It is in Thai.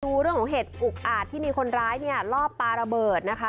ดูเรื่องของเหตุอุกอาจที่มีคนร้ายเนี่ยลอบปลาระเบิดนะคะ